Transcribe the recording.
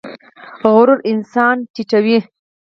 غرور انسان ټیټوي